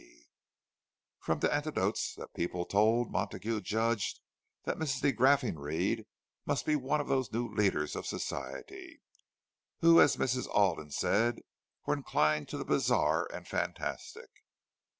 C." From the anecdotes that people told, Montague judged that Mrs. de Graffenried must be one of those new leaders of Society, who, as Mrs. Alden said, were inclined to the bizarre and fantastic.